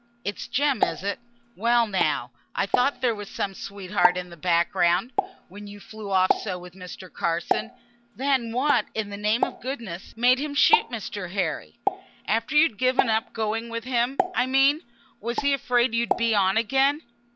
It's Jem, is it? Well now, I thought there was some sweetheart in the back ground, when you flew off so with Mr. Carson. Then what in the name of goodness made him shoot Mr. Harry? After you had given up going with him, I mean? Was he afraid you'd be on again?"